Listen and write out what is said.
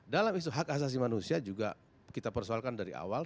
dalam isu hak asasi manusia juga kita persoalkan dari awal